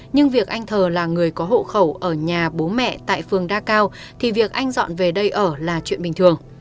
nhưng việc anh thờ là người có hộ khẩu ở nhà bố mẹ tại phường đa cao thì việc anh dọn về đây ở là chuyện bình thường